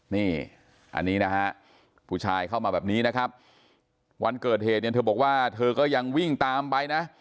นี่อันนี้นะฮะผู้ชายเข้ามาแบบนี้นะครับวันเกิดเหตุเนี่ยเธอบอกว่าเธอก็ยังวิ่งตามไปนะ